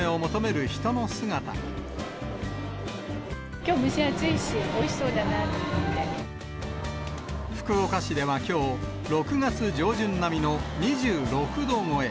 きょう、蒸し暑いし、おいし福岡市ではきょう、６月上旬並みの２６度超え。